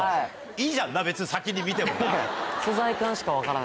いいじゃんな別に先に見てもな。